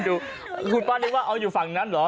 ดูคุณป้านึกว่าเอาอยู่ฝั่งนั้นเหรอ